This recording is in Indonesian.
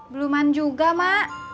beluman juga ma